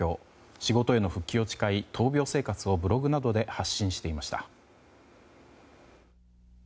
仕事への復帰を誓い闘病生活をブログなどで発信していました。